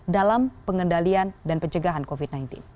dalam pengendalian dan pencegahan covid sembilan belas